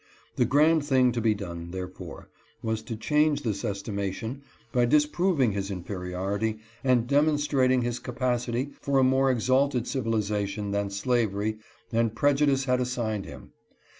The grand thing to be done, therefore, was to change this estimation by disproving his inferiority and demonstrating his capacity for a more exalted civilization than slavery and prejudice had assigned him.